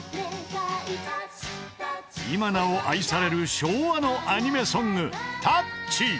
［今なお愛される昭和のアニメソング］